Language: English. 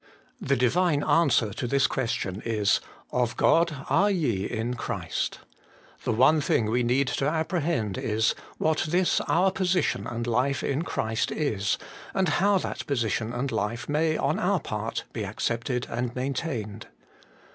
The Divine answer to this question is, ' Of God are ye in Christ.' The one thing we need to appre hend is, what this our position and life in Christ is, and how that position and life may on our part be accepted and maintained.